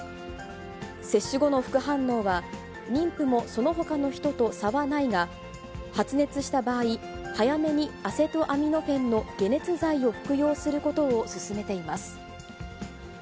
接種後の副反応は、妊婦もそのほかの人と差はないが、発熱した場合、早めにアセトアミノフェンの解熱剤を服用することを勧めています。